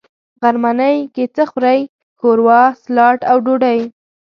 غرمنۍ کی څه خورئ؟ ښوروا، ، سلاډ او ډوډۍ